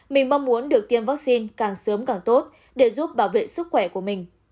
mình mong muốn được tiêm vaccine càng sớm càng tốt để giúp bảo vệ sức khỏe của mình